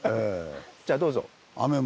じゃあどうぞ。